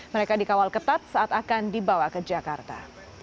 mereka dikawal ketat saat akan dibawa ke jakarta